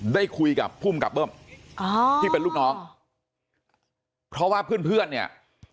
ได้คุยกับภูมิกับเบิ้มอ๋อที่เป็นลูกน้องเพราะว่าเพื่อนเพื่อนเนี่ย